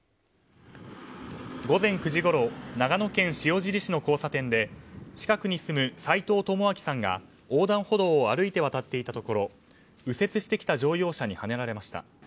午前９時ごろ長野県塩尻市の交差点で近くに住む斉藤智明さんが横断歩道を歩いて渡っていたところ右折してきた乗用車にはねられました。